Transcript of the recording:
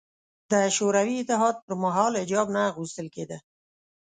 د شوروي اتحاد پر مهال حجاب نه اغوستل کېده